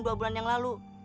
dua bulan yang lalu